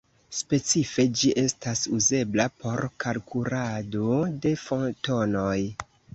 Specife, ĝi estas uzebla por kalkulado de fotonoj.